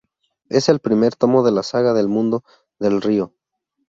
Es el primer tomo de la Saga del Mundo del Río.